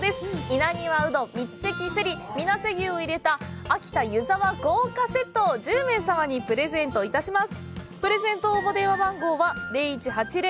稲庭うどん、三関セリ、みなせ牛をセットにした「秋田湯沢豪華セット」を１０名様にプレゼントいたします。